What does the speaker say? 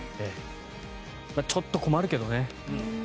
ちょっと困るけどね。